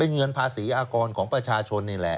เงินภาษีอากรของประชาชนนี่แหละ